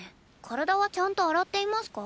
体はちゃんと洗っていますか？